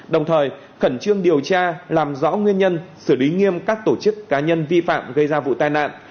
đồng thời khẩn trương điều tra làm rõ nguyên nhân xử lý nghiêm các tổ chức cá nhân vi phạm gây ra vụ tai nạn